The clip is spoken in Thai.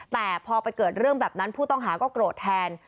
แต่พอไปเกิดเรื่องแบบนั้นผู้ต้องหาก็โกรธแทน